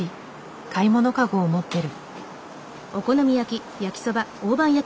買い物かごを持ってる。